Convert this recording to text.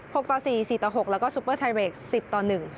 กต่อสี่สี่ต่อหกแล้วก็ซูเปอร์ไทยเรกสิบต่อหนึ่ง